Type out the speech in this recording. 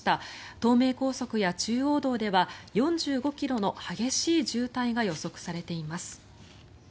東名高速や中央道では４５ｋｍの激しい渋滞が予測されています。